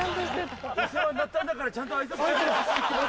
お世話になったんだからちゃんと挨拶してきな。